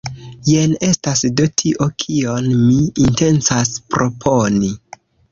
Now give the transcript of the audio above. Jen estas do tio, kion mi intencas proponi.